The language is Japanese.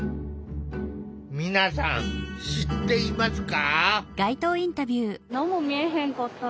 皆さん知っていますか？